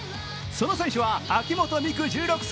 その選手は秋本美空１６歳。